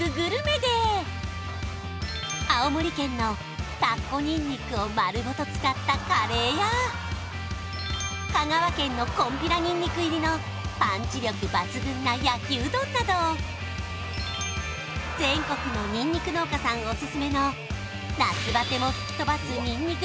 青森県のたっこにんにくを丸ごと使ったカレーや香川県のこんぴらにんにく入りのパンチ力抜群な焼きうどんなど全国のにんにく農家さんオススメの夏バテも吹き飛ばすにんにく